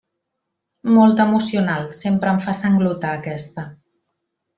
Molt emocional, sempre em fa sanglotar, aquesta.